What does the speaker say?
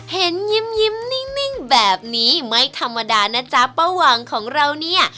เห็นยิ้มนิ่งแบบนี้ไม่ธรรมดานะจ๊ะป้าหวังของเราเนี่ย